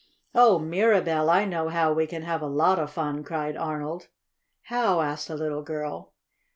"Oh, Mirabell, I know how we can have a lot of fun!" cried Arnold. "How?" asked the little girl.